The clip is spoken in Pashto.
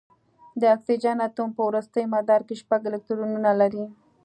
د اکسیجن اتوم په وروستي مدار کې شپږ الکترونونه لري.